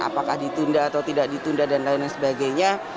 apakah ditunda atau tidak ditunda dan lain lain sebagainya